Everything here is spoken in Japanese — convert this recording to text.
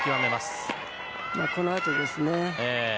このあとですね。